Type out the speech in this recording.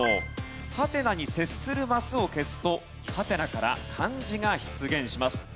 ハテナに接するマスを消すとハテナから漢字が出現します。